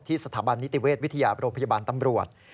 สถาบันนิติเวชวิทยาโรงพยาบาลตำรวจ